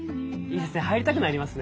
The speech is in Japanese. いいですね